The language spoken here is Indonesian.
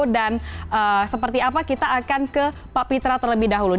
dan seperti apa kita akan ke pak pitra terlebih dahulu